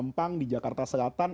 di mampang di jakarta selatan